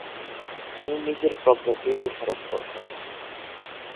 তিনি নিজের প্রজ্ঞাকেই দোষারোপ করতেন।